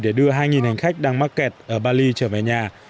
để đưa hai hành khách đang mắc kẹt ở bali trở về nhà